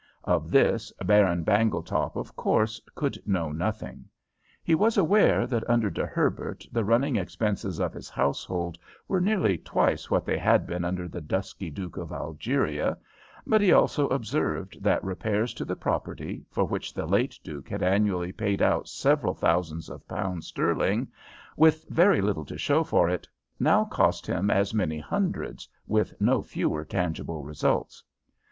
Of this Baron Bangletop, of course, could know nothing. He was aware that under De Herbert the running expenses of his household were nearly twice what they had been under the dusky Duke of Algeria; but he also observed that repairs to the property, for which the late duke had annually paid out several thousands of pounds sterling, with very little to show for it, now cost him as many hundreds with no fewer tangible results.